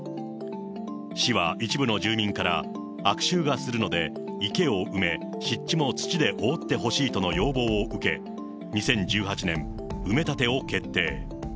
市は一部の住民から、悪臭がするので、池を埋め、湿地も土で覆ってほしいとの要望を受け、２０１８年、埋め立てを決定。